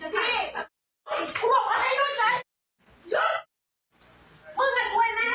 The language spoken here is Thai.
กูบอกว่าให้หยุดไกล